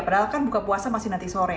padahal kan buka puasa masih nanti sore